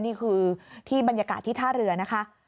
นี่คือที่บรรยากาศที่ท่าเรือนะคะ